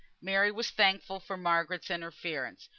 Mary was thankful for Margaret's interference.